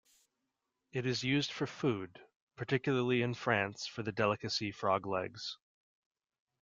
It is used for food, particularly in France for the delicacy frog legs.